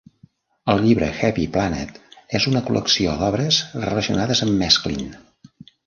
El llibre "Heavy Planet" és una col·lecció d'obres relacionades amb Mesklin.